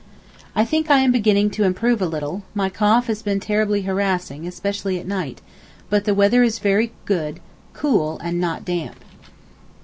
I think I am beginning to improve a little; my cough has been terribly harassing especially at night—but the weather is very good, cool, and not damp.